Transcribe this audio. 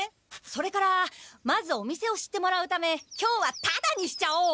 それからまずお店を知ってもらうため今日はタダにしちゃおう！